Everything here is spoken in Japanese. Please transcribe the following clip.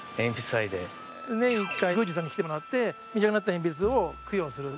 年１回、宮司さんに来てもらって短くなった鉛筆を供養する。